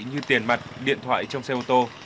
như tiền mặt điện thoại trong xe ô tô